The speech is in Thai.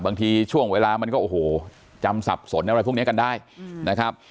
บางทีช่วงเวลามันก็โอ้โหจำสับสนอะไรพวกนี้กันได้นะครับ